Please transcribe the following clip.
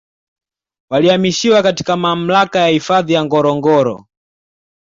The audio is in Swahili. Walihamishiwa katika Mamlaka ya hifadhi ya Ngorongoro